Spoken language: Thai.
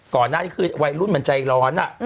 ก่อนหน้านี้คือวัยรุ่นมันใจร้อน